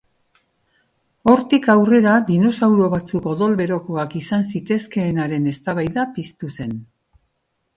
Hortik aurrera dinosauro batzuk odol-berokoak izan zitezkeenaren eztabaida piztu zen.